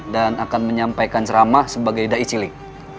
dan akan menyampaikan ceramah sebagai da'i cilik